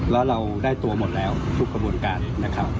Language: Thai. แล้วเราได้ตัวหมดแล้วทุกกระบวนการนะครับ